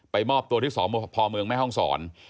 มอบตัวที่สพเมืองแม่ห้องศร